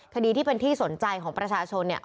คดีที่เป็นที่สนใจของประชาชน